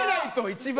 一番。